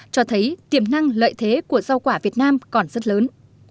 cho thấy tiềm năng lợi thế của rau quả việt nam còn rất lớn